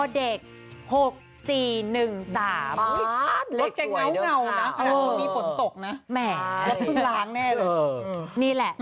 อ๋อแต่เงานะขนาดวันนี้ฝนตกนะแม่แล้วพึ่งล้างแน่เลยเออนี่แหละ